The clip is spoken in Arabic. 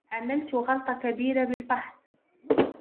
عملت غلطة كبيرة بالفحص